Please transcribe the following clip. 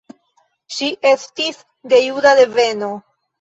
Ŝi estis de juda deveno.